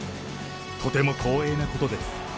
とても光栄なことです。